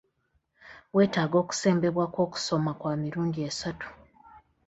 Weetaaga okusembebwa kw'okusoma kwa mirundi esatu.